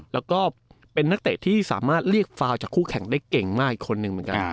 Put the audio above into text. แล้วก็เป็นนักเตะที่สามารถเรียกฟาวจากคู่แข่งได้เก่งมากอีกคนนึงเหมือนกัน